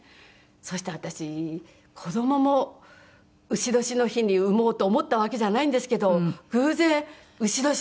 そして私子供も丑年の日に産もうと思ったわけじゃないんですけど偶然丑年なんです。